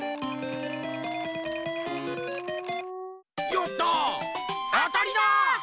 やった！あたりだ！